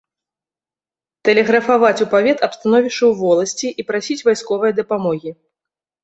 Тэлеграфаваць у павет аб становішчы ў воласці і прасіць вайсковае дапамогі.